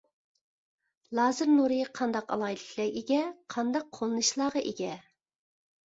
لازېر نۇرى قانداق ئالاھىدىلىكلەرگە ئىگە؟ قانداق قوللىنىشلارغا ئىگە؟